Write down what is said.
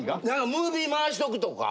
ムービー回しとくとか。